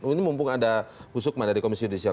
ini mumpung ada husuk mana di komisi judisial